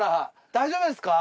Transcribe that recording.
大丈夫ですか？